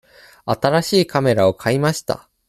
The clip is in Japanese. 新しいカメラを買いました。